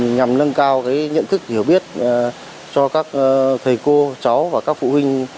nhằm nâng cao nhận thức hiểu biết cho các thầy cô cháu và các phụ huynh